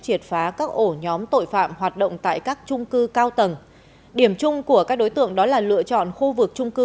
triệt phá các ổ nhóm tội phạm hoạt động tại các trung cư cao tầng điểm chung của các đối tượng đó là lựa chọn khu vực trung cư